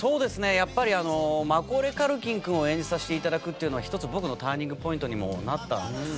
やっぱりあのマコーレー・カルキン君を演じさせて頂くというのは一つ僕のターニングポイントにもなったところでして。